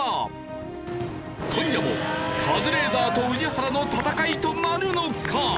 今夜もカズレーザーと宇治原の戦いとなるのか？